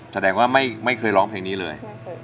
แสดงว่าไม่เคยร้องเพลงนี้เลย